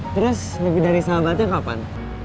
terus lebih dari sahabatnya kapan